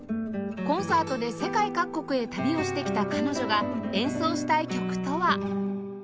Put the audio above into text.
コンサートで世界各国へ旅をしてきた彼女が演奏したい曲とは